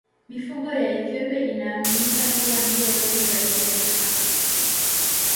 Mifugo ya Ethiopia inaaminika kuwa ndiyo wengi zaidi Afrika.